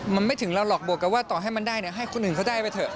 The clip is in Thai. มันไม่ถึงเราหรอกบวกกับว่าต่อให้มันได้เนี่ยให้คนอื่นเขาได้ไปเถอะ